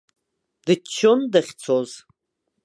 Дыччон дахьцоз.